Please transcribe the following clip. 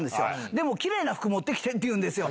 でもきれいな服持ってきてって言うんですよ。